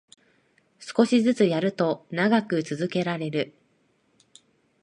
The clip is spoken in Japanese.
少しずつやると長く続けられる